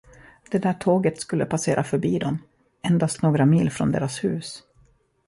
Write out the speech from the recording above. Det där tåget skulle passera förbi dem, endast några mil från deras hus.